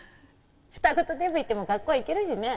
双子とデブいても学校は行けるしね。